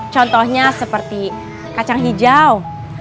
contohnya seperti kacang hijau